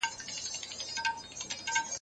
کیسه د ادبي سیالۍ برخه وه.